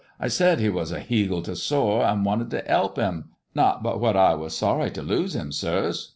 I said he was a heagle to soar, and wanted to 'elp him. Not but what I was sorry to lose him, sirs.